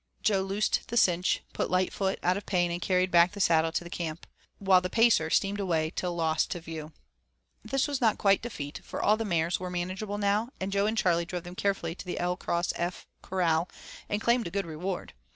Jo loosed the cinch, put Lightfoot out of pain, and carried back the saddle to the camp. While the Pacer steamed away till lost to view. This was not quite defeat, for all the mares were manageable now, and Jo and Charley drove them carefully to the 'L cross F' corral and claimed a good reward.